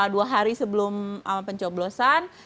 dua hari sebelum pencoblosan